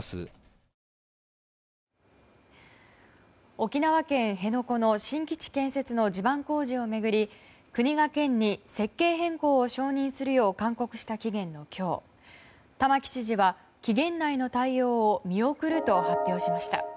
沖縄県辺野古の新基地新設の地盤工事を巡り国が県に設計変更を承認するよう勧告した期限の今日玉城知事は期限内の対応を見送ると発表しました。